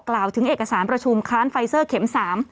กล่าวถึงเอกสารประชุมค้านไฟเซอร์เข็ม๓